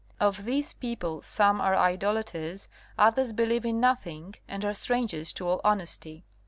Of these people some are idolaters, others believe in nothing and are strangers to all honesty.